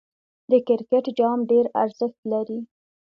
د کرکټ جام ډېر ارزښت لري.